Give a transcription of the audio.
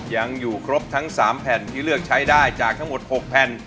ยังอยู่ครบทั้ง๓แผ่นที่เลือกใช้ได้จากทั้งหมด๖แผ่น